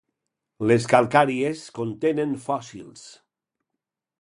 Les calcàries contenen fòssils.